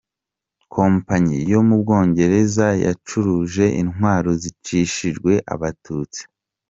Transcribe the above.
Kompanyi yo mu Bwongereza yacuruje intwaro zicishijwe Abatutsi.